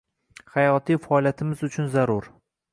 Hayotiy faoliyatimiz uchun zarur.